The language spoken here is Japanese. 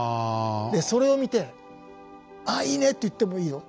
でそれを見て「ああいいね」って言ってもいいよ。